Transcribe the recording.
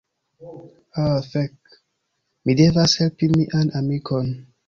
Ah fek, mi devas helpi mian amikon.